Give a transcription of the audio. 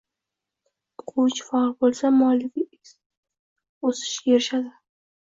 O‘quvchi faol bo‘lsa, muallif o‘sishga erishadi.